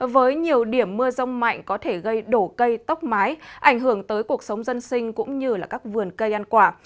với nhiều điểm mưa rông mạnh có thể gây đổ cây tóc mái ảnh hưởng tới cuộc sống dân sinh cũng như các vườn cây ăn quả